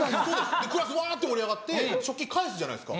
でクラスわって盛り上がって食器返すじゃないですか。